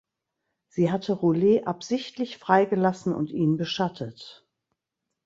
Sie hatte Roulet absichtlich freigelassen und ihn beschattet.